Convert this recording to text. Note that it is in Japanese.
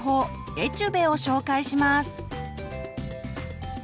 エチュベを紹介します！